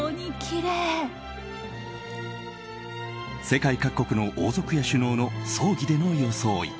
世界各国の王族や首脳の葬儀での装い